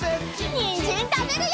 にんじんたべるよ！